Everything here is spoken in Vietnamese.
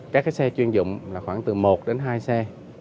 các cái xe chuyên dụng là khoảng từ một đến hai xe